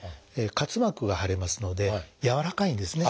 滑膜が腫れますので柔らかいんですね。